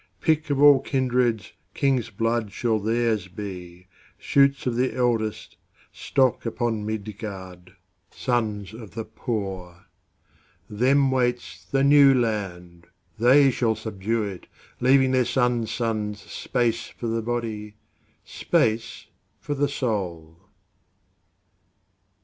Pick of all kindreds, King's blood shall theirs be, Shoots of the eldestStock upon Midgard, Sons of the poor. Them waits the New Land; They shall subdue it, Leaving their sons' sonsSpace for the body, Space for the soul.